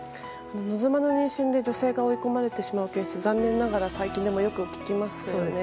望まぬ妊娠で女性が追い込まれてしまうケース残念ながら最近よく聞きますよね。